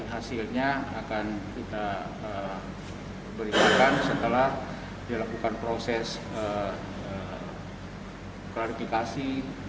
hasilnya akan kita beritakan setelah dilakukan proses klarifikasi